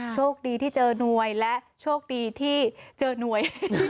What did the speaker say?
โชคดีที่เจอหน่วยและโชคดีที่เจอหน่วย